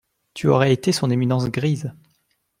Tu aurais été son éminence grise.